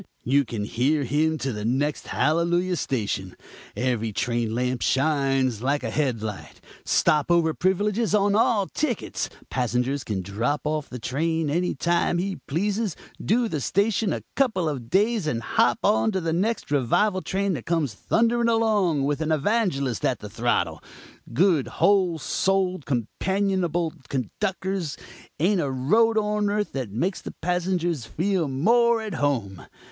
you can hear him to the next hallelujah station. Every train lamp shines like a head light. Stop over privileges on all tickets; passenger can drop off the train any time he pleases, do the station a couple of days and hop on to the next revival train that comes thundering along with an evangelist at the throttle. Good, whole souled, companionable conductors; ain't a road on earth that makes the passengers feel more at home.